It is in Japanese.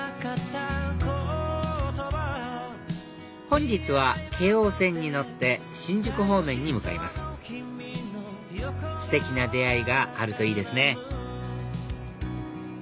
本日は京王線に乗って新宿方面に向かいますステキな出会いがあるといいですね